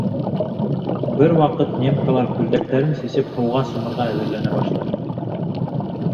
Бер ваҡыт немкалар, күлдәктәрен сисеп, һыуға сумырға әҙерләнә башлай.